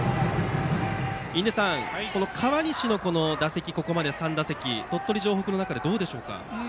印出さん、この河西のここまでの３打席は鳥取城北の中で、どうでしょうか。